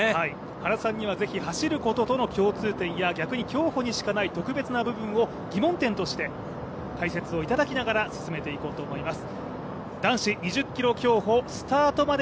原さんには是非走ることとの共通点や逆に競歩にしかない特別な部分を疑問点として解説をいただきながら進めていこうと思います。